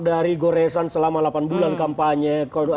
dari goresan selama delapan bulan kampanye